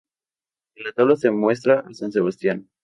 En la tabla se muestra a San Sebastián.